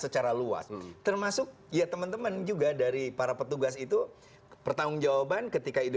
secara luas termasuk ya teman teman juga dari para petugas itu pertanggungjawaban ketika ide